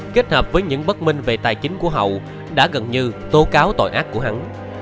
kết hợp với những bất minh về tài chính của hậu đã gần như tố cáo tội ác của hắn